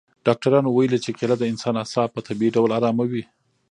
ډاکټرانو ویلي چې کیله د انسان اعصاب په طبیعي ډول اراموي.